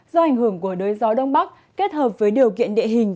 do ảnh hưởng của đới gió đông bắc kết hợp với điều kiện địa hình